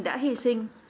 đã hy sinh